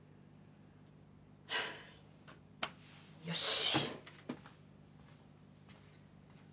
よし。